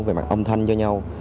về mặt âm thanh cho nhau